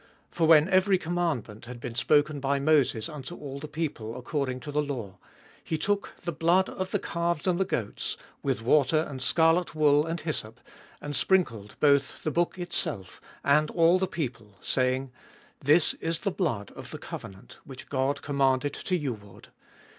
19. For when every commandment had been spoken by Moses unto all the people according to the law, he took the blood of the calves and the goats, with water and scarlet wool and hyssop, and sprinkled both the book itself, and all the people, saying, 20. This is the blood of the covenant which God commanded to you ward.